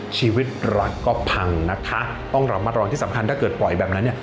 ชีวิตรักก็พังนะคะต้องระมัดระวังที่สำคัญถ้าเกิดปล่อยแบบนั้นเนี่ย